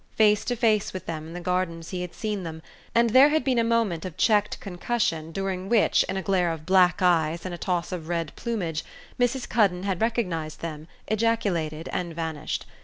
Face to face with them in the gardens he had seen them, and there had been a moment of checked concussion during which, in a glare of black eyes and a toss of red plumage, Mrs. Cuddon had recognised them, ejaculated and vanished.